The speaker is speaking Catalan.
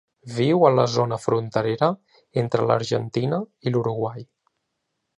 Viu a la zona fronterera entre l'Argentina i l'Uruguai.